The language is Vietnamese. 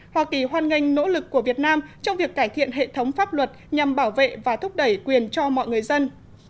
hoa kỳ hoan nghênh nỗ lực của việt nam trong việc cải thiện hệ thống pháp luật nhằm bảo vệ và thúc đẩy quyền cho mọi người dân